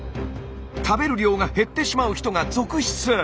食べる量が減ってしまう人が続出！